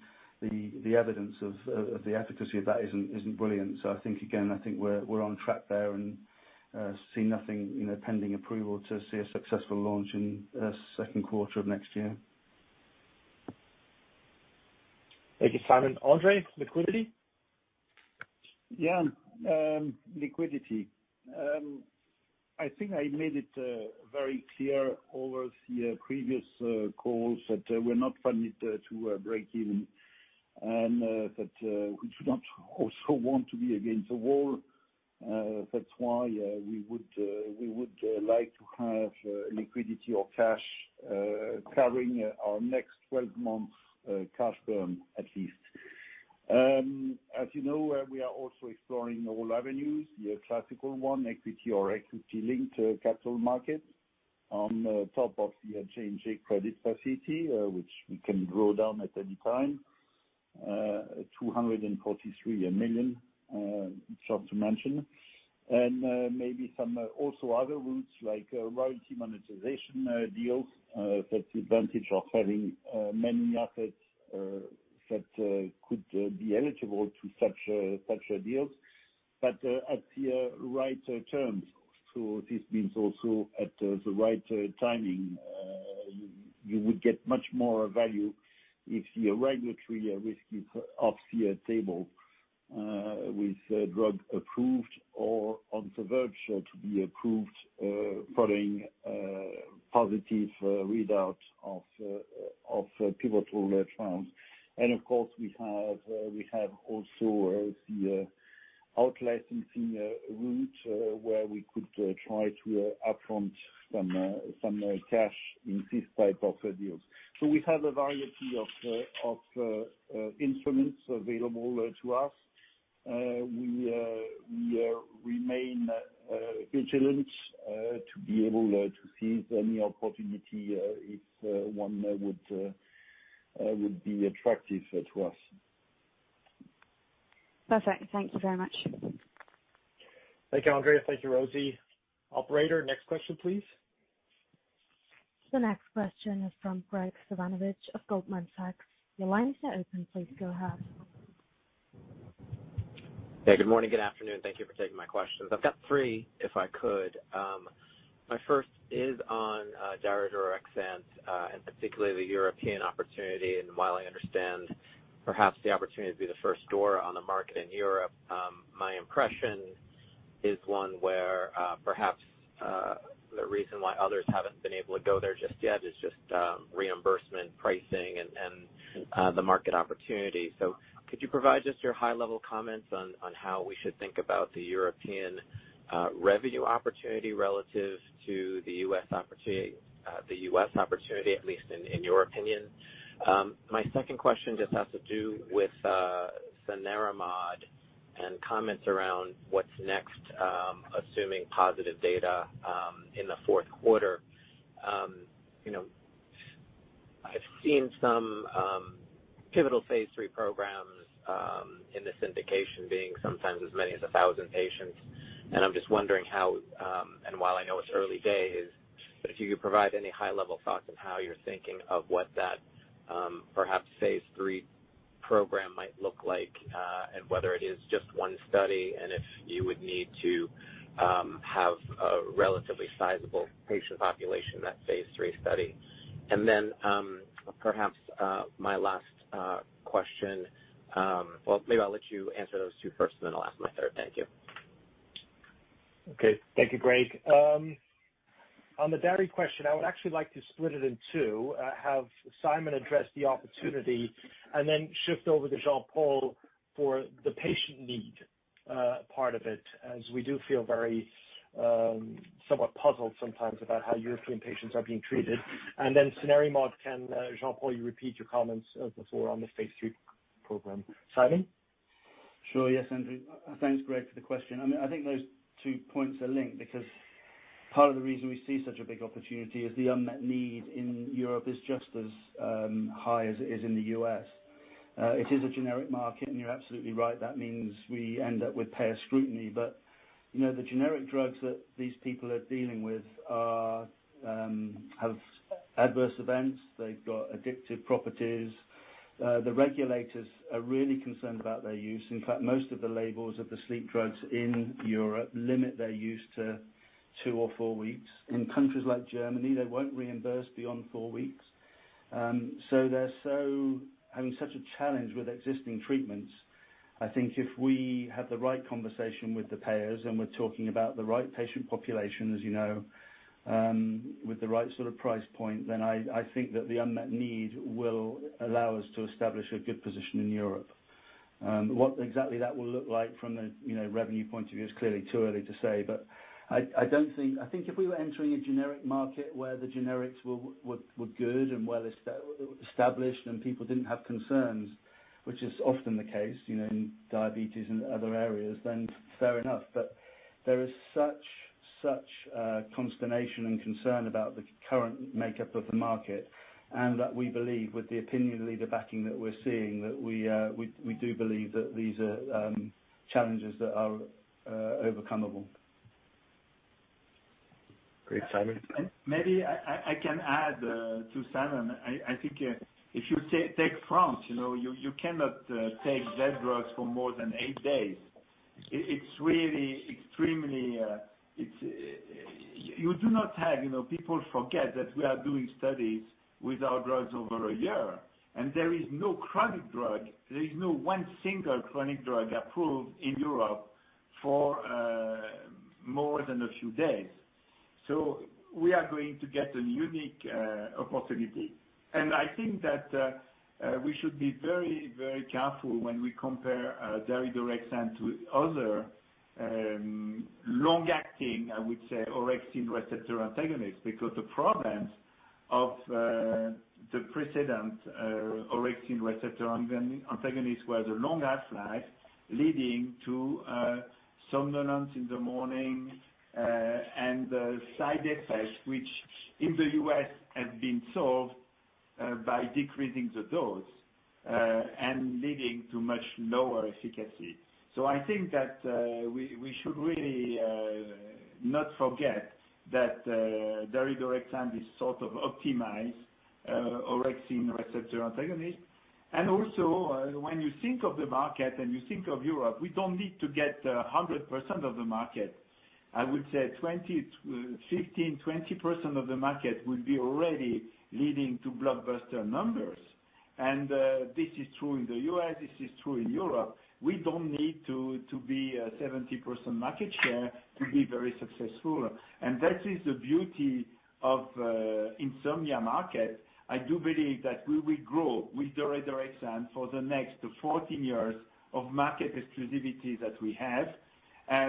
the evidence of the efficacy of that isn't brilliant. I think, again, I think we're on track there and see nothing pending approval to see a successful launch in Q2 of next year. Thank you, Simon. André, liquidity? Yeah. Liquidity. I think I made it very clear over the previous calls that we're not funded to break even, and that we do not also want to be against the wall. That's why we would like to have liquidity or cash covering our next 12 months cash burn, at least. As you know, we are also exploring all avenues, the classical one, equity or equity-linked capital market on top of the J&J credit facility, which we can draw down at any time. 243 million, just to mention. Maybe some also other routes, like royalty monetization deals. That's the advantage of having many assets that could be eligible to such deals. At the right terms. This means also at the right timing. You would get much more value if the regulatory risk is off the table with drug approved or on the verge to be approved following positive readout of pivotal trials. Of course, we have also the out-licensing route, where we could try to upfront some cash in this type of deals. We have a variety of instruments available to us. We remain vigilant to be able to seize any opportunity if one would be attractive to us. Perfect. Thank you very much. Thank you, André. Thank you, Rosie. Operator, next question, please. The next question is from Graig Suvannavejh of Goldman Sachs. Your line is now open. Please go ahead. Hey. Good morning, good afternoon. Thank you for taking my questions. I've got three if I could. My first is on daridorexant, and particularly the European opportunity. While I understand perhaps the opportunity to be the first DORA on the market in Europe, my impression is one where perhaps the reason why others haven't been able to go there just yet is just reimbursement pricing and the market opportunity. Could you provide just your high-level comments on how we should think about the European revenue opportunity relative to the U.S. opportunity, at least in your opinion? My second question just has to do with cenerimod and comments around what's next, assuming positive data in the Q4. I've seen some pivotal phase III programs in this indication being sometimes as many as 1,000 patients, and I'm just wondering how, and while I know it's early days, but if you could provide any high-level thoughts on how you're thinking of what that perhaps phase III program might look like and whether it is just one study and if you would need to have a relatively sizable patient population in that phase III study. Perhaps my last question. Well, maybe I'll let you answer those two first, and then I'll ask my third. Thank you. Okay. Thank you, Graig. On the daridorexant question, I would actually like to split it in two. Have Simon Jose address the opportunity and then shift over to Jean-Paul for the patient need part of it, as we do feel very somewhat puzzled sometimes about how European patients are being treated. And then Cenerimod, can Jean-Paul repeat your comments as before on the phase III program? Simon? Sure. Yes, Andrew. Thanks, Graig, for the question. I think those two points are linked because part of the reason we see such a big opportunity is the unmet need in Europe is just as high as it is in the U.S. It is a generic market. You're absolutely right, that means we end up with payer scrutiny. The generic drugs that these people are dealing with have adverse events. They've got addictive properties. The regulators are really concerned about their use. In fact, most of the labels of the sleep drugs in Europe limit their use to two or four weeks. In countries like Germany, they won't reimburse beyond four weeks. They're having such a challenge with existing treatments. I think if we have the right conversation with the payers and we're talking about the right patient population, as you know, with the right sort of price point, then I think that the unmet need will allow us to establish a good position in Europe. What exactly that will look like from the revenue point of view is clearly too early to say. I think if we were entering a generic market where the generics were good and well-established and people didn't have concerns, which is often the case in diabetes and other areas, then fair enough. There is such consternation and concern about the current makeup of the market and that we believe with the opinion leader backing that we're seeing, that we do believe that these are challenges that are overcomeable. Great, Simon. Maybe I can add to Simon. I think if you take France, you cannot take Z-drugs for more than eight days. People forget that we are doing studies with our drugs over a year. There is no chronic drug. There is no one single chronic drug approved in Europe for more than a few days. We are going to get a unique opportunity. I think that we should be very careful when we compare daridorexant to other long-acting, I would say, orexin receptor antagonists. The problems of the precedent orexin receptor antagonists were the long half-life leading to somnolence in the morning and side effects, which in the U.S. have been solved by decreasing the dose, leading to much lower efficacy. I think that we should really not forget that daridorexant is sort of optimized orexin receptor antagonist. Also, when you think of the market and you think of Europe, we don't need to get 100% of the market. I would say 15%-20% of the market will be already leading to blockbuster numbers. This is true in the U.S., this is true in Europe. We don't need to be a 70% market share to be very successful, and that is the beauty of insomnia market. I do believe that we will grow with daridorexant for the next 14 years of market exclusivity that we have,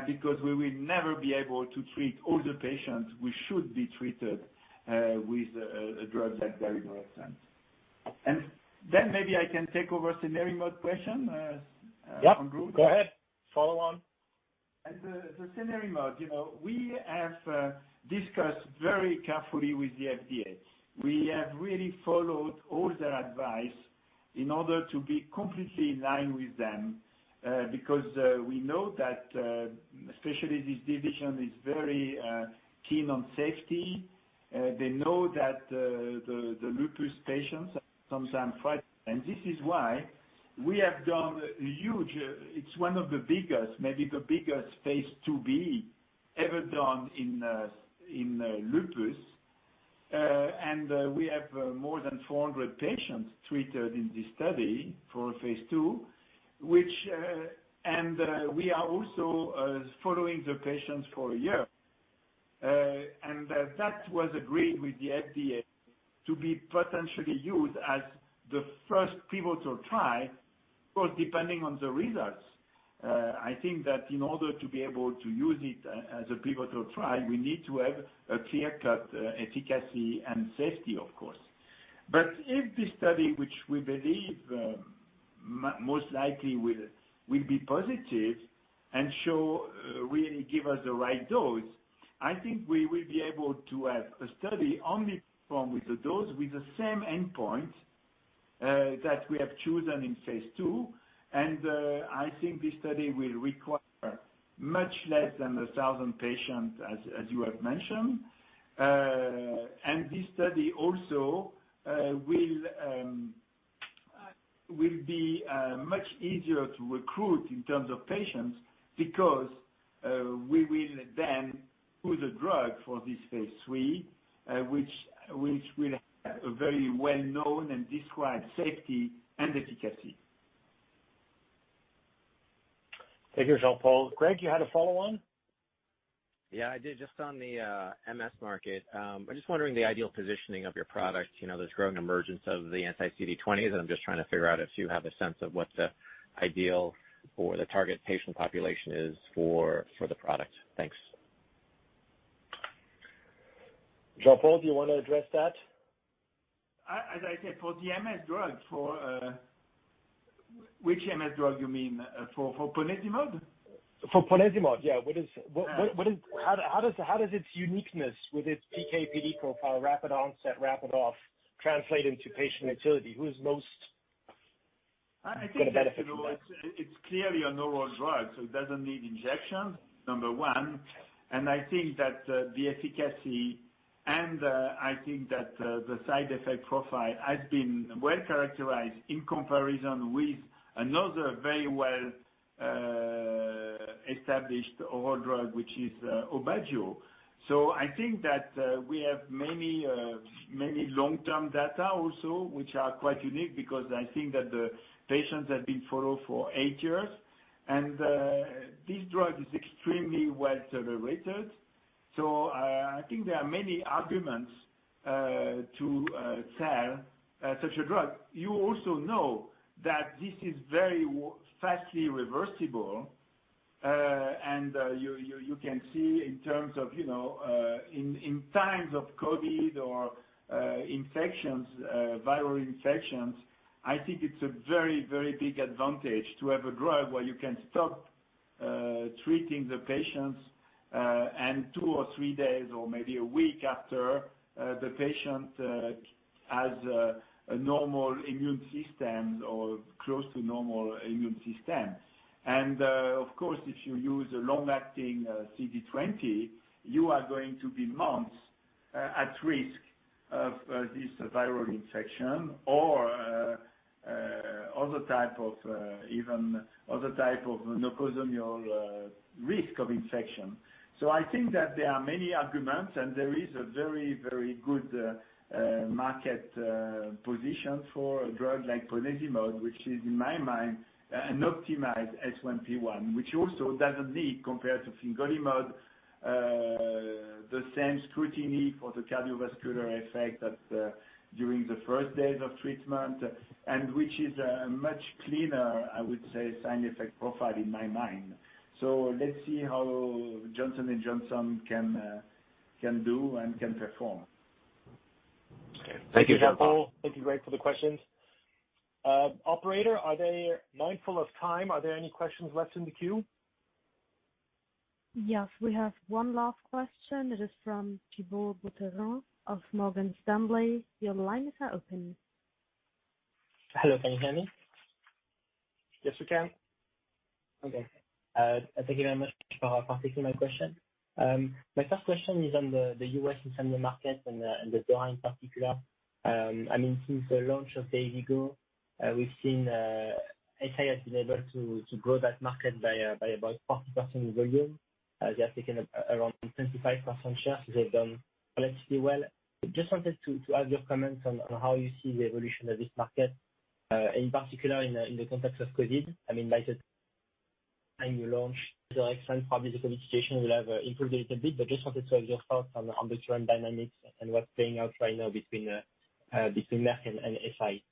because we will never be able to treat all the patients we should be treated with a drug like daridorexant. Maybe I can take over cenerimod question as a group. Yep, go ahead. Follow on. The cenerimod. We have discussed very carefully with the FDA. We have really followed all their advice in order to be completely in line with them, because we know that especially this division is very keen on safety. They know that the lupus patients are sometimes and this is why we have done a huge, it's one of the biggest, maybe the biggest phase II-B ever done in lupus. We have more than 400 patients treated in this study for phase II. We are also following the patients for a year. That was agreed with the FDA to be potentially used as the first pivotal trial. Of course, depending on the results. I think that in order to be able to use it as a pivotal trial, we need to have a clear-cut efficacy and safety, of course. If this study, which we believe most likely will be positive and really give us the right dose, I think we will be able to have a study only performed with the dose with the same endpoint that we have chosen in phase II. I think this study will require much less than 1,000 patients, as you have mentioned. This study also will be much easier to recruit in terms of patients because we will then choose a drug for this phase III, which will have a very well-known and described safety and efficacy. Thank you, Jean-Paul. Graig, you had a follow-on? Yeah, I did. Just on the MS market. I'm just wondering the ideal positioning of your product. There's growing emergence of the anti-CD20s. I'm just trying to figure out if you have a sense of what the ideal or the target patient population is for the product. Thanks. Jean-Paul, do you want to address that? As I said, for the MS drug. Which MS drug you mean? For ponesimod? For ponesimod, yeah. How does its uniqueness with its PK/PD profile, rapid onset, rapid off, translate into patient utility? Who is most going to benefit from that? It's clearly an oral drug, so it doesn't need injection, number one. I think that the efficacy and I think that the side effect profile has been well-characterized in comparison with another very well-established oral drug, which is Aubagio. I think that we have many long-term data also, which are quite unique because I think that the patients have been followed for eight years. This drug is extremely well-tolerated. I think there are many arguments to sell such a drug. You also know that this is very fastly reversible. You can see in terms of, in times of COVID or viral infections, I think it's a very, very big advantage to have a drug where you can stop treating the patients and two or three days or maybe a week after, the patient has a normal immune system or close to normal immune system. Of course, if you use a long-acting CD20, you are going to be months at risk of this viral infection or other type of nosocomial risk of infection. I think that there are many arguments and there is a very, very good market position for a drug like ponesimod, which is in my mind an optimized S1P1. Which also doesn't need, compared to fingolimod, the same scrutiny for the cardiovascular effect during the first days of treatment, and which is a much cleaner, I would say, side effect profile in my mind. Let's see how Johnson & Johnson can do and can perform. Okay. Thank you, Jean-Paul. Thank you, Graig, for the questions. Operator, mindful of time, are there any questions left in the queue? Yes. We have one last question. It is from Thibault Boutherin of Morgan Stanley. Your line is open. Hello, can you hear me? Yes, we can. Okay. Thank you very much for taking my question. My first question is on the U.S. internal market and the DORA in particular. Since the launch of Dayvigo, Eisai has been able to grow that market by about 40% in volume. They have taken around 25% share. They've done relatively well. Just wanted to add your comments on how you see the evolution of this market. In particular in the context of COVID. By the time you launch daridorexant, probably the competition will have improved a little bit. Just wanted to have your thoughts on the current dynamics and what's playing out right now between Merck and Eisai.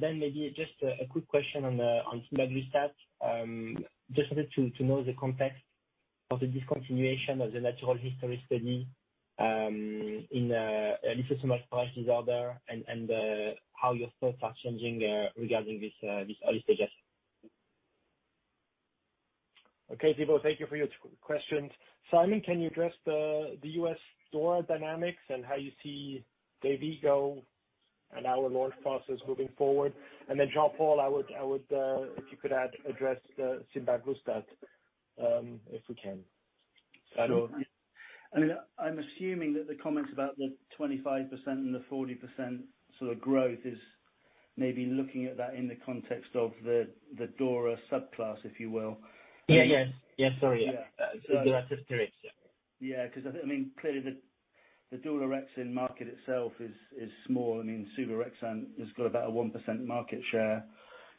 Maybe just a quick question on venglustat. Just wanted to know the context of the discontinuation of the natural history study in lysosomal storage disorder and how your thoughts are changing regarding this early stage asset. Okay, Thibault, thank you for your questions. Simon, can you address the U.S. DORA dynamics and how you see Dayvigo and our launch process moving forward? Jean-Paul, if you could address the venglustat, if we can. I'm assuming that the comments about the 25% and the 40% sort of growth is maybe looking at that in the context of the DORA subclass, if you will. Yeah. Sorry. In regards to it, yeah. Clearly the dual orexin market itself is small. I mean, suvorexant has got about a 1% market share.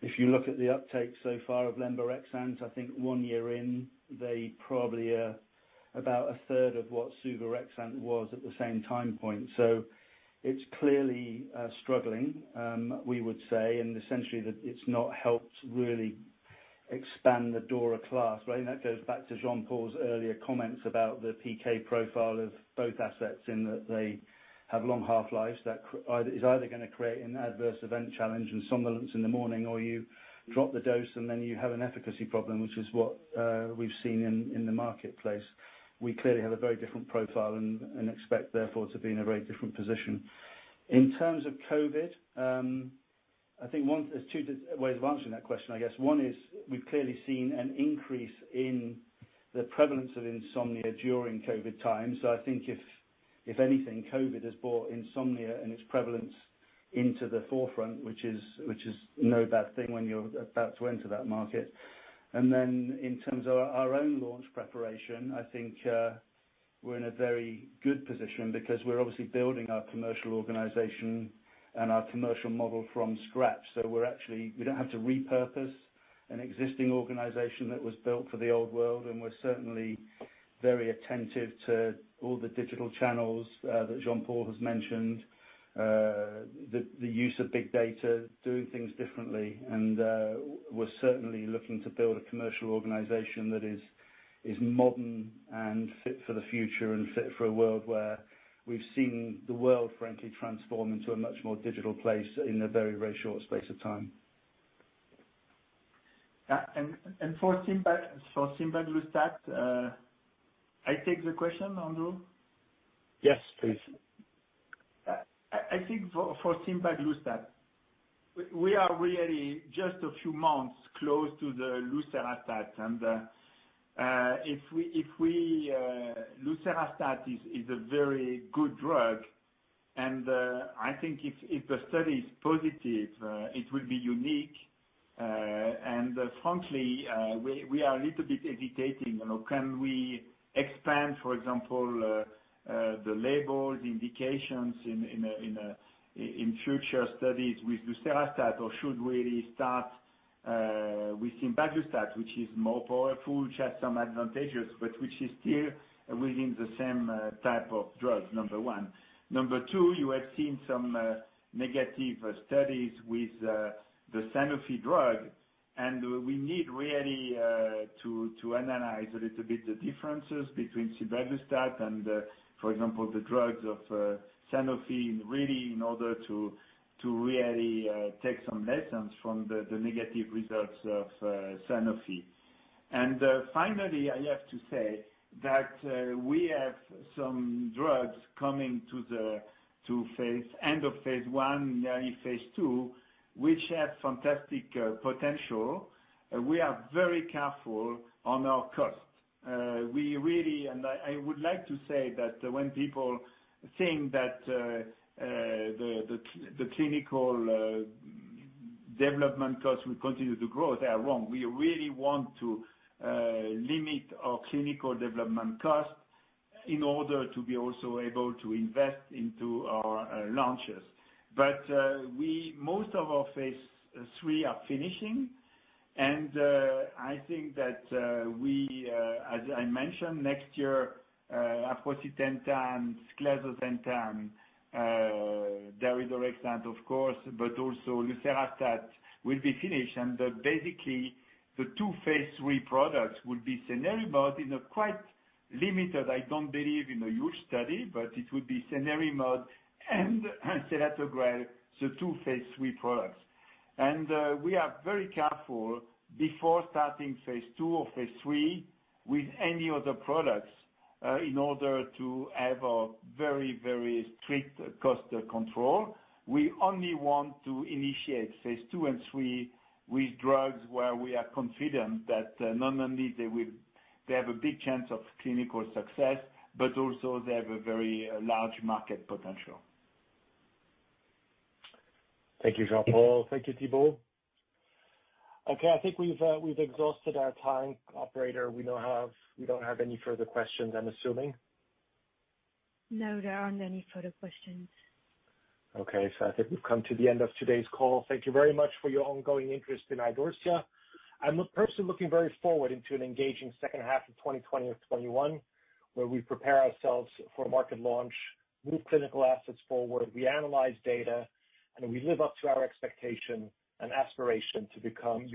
If you look at the uptake so far of lemborexant, I think one year in, they probably are about 1/3 of what suvorexant was at the same time point. It's clearly struggling, we would say, and essentially that it's not helped really expand the DORA class. That goes back to Jean-Paul's earlier comments about the PK profile of both assets in that they have long half-lives. That is either going to create an adverse event challenge and somnolence in the morning, or you drop the dose and then you have an efficacy problem, which is what we've seen in the marketplace. We clearly have a very different profile and expect therefore to be in a very different position. In terms of COVID, I think there's two ways of answering that question, I guess. One is we've clearly seen an increase in the prevalence of insomnia during COVID times. I think if anything, COVID has brought insomnia and its prevalence into the forefront, which is no bad thing when you're about to enter that market. In terms of our own launch preparation, I think we're in a very good position because we're obviously building our commercial organization and our commercial model from scratch. We don't have to repurpose an existing organization that was built for the old world, and we're certainly very attentive to all the digital channels that Jean-Paul has mentioned. The use of big data, doing things differently, and we're certainly looking to build a commercial organization that is modern and fit for the future and fit for a world where we've seen the world frankly transform into a much more digital place in a very, very short space of time. For venglustat, I take the question, Andrew? Yes, please. I think for venglustat, we are really just a few months close to the lucerastat. lucerastat is a very good drug, and I think if the study is positive, it will be unique. Frankly, we are a little bit hesitating. Can we expand, for example, the label indications in future studies with lucerastat? Should we really start with venglustat, which is more powerful, which has some advantages, but which is still within the same type of drug, number one? Number two, you have seen some negative studies with the Sanofi drug. We need really to analyze a little bit the differences between venglustat and, for example, the drugs of Sanofi, really in order to really take some lessons from the negative results of Sanofi. Finally, I have to say that we have some drugs coming to end of phase I, early phase II, which have fantastic potential. We are very careful on our costs. I would like to say that when people think that the clinical development costs will continue to grow, they are wrong. We really want to limit our clinical development costs in order to be also able to invest into our launches. Most of our phase III are finishing, and I think that we, as I mentioned, next year, aprocitentan, clazosentan, daridorexant, of course, but also lucerastat will be finished. Basically, the two phase III products will be cenerimod in a quite limited, I don't believe in a huge study, but it will be cenerimod and selatogrel, so two phase III products. We are very careful before starting phase II or phase III with any other products in order to have a very, very strict cost control. We only want to initiate phase II and phase III with drugs where we are confident that not only they have a big chance of clinical success, but also they have a very large market potential. Thank you, Jean-Paul. Thank you, Thibault. Okay. I think we've exhausted our time. Operator, we don't have any further questions, I'm assuming. No, there aren't any further questions. I think we've come to the end of today's call. Thank you very much for your ongoing interest in Idorsia. I am personally looking very forward into an engaging second half of 2020 and 2021, where we prepare ourselves for market launch, move clinical assets forward, we analyze data, and we live up to our expectation and aspiration to become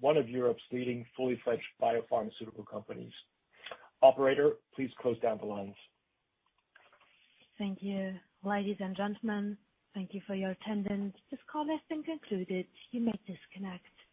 one of Europe's leading fully fledged biopharmaceutical companies. Operator, please close down the lines. Thank you. Ladies and gentlemen, thank you for your attendance. This call has been concluded. You may disconnect.